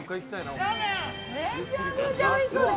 めちゃめちゃおいしそうです。